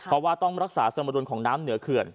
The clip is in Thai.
เพราะว่าต้องรักษาสมดุลของน้ำเหนือเขื่อน